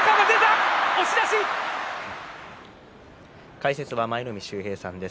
解説は舞の海秀平さんです。